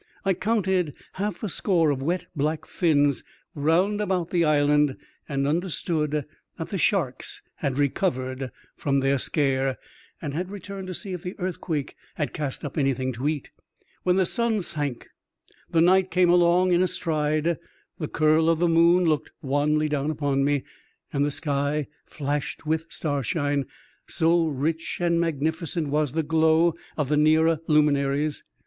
I counted half a score of wet black fins round about the island, and understood that the sharks had recovered from their scare, and had returned to see if the earthquake had cast up anything to eat. When the sun sank, the night came along in a stride ; the curl of the moon looked wanly down upon me, and the sky flashed with starshine, so rich and magnifi cent was the glow of the nearer luminaries.